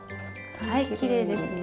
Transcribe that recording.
はいきれいですね。